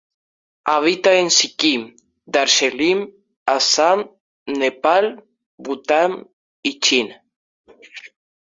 Habita en Sikkim, Darjeeling, Assam, Nepal, Bután y China.